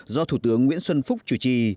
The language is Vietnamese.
do thủ tướng nguyễn xuân phúc chủ trì